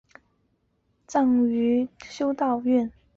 她死后葬于圣体修道院。